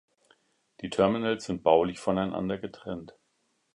Die Terminals sind baulich voneinander getrennt.